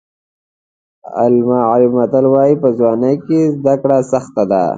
المغربي متل وایي په ځوانۍ کې زده کړه سخته ده.